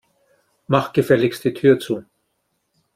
Mach gefälligst die Tür zu.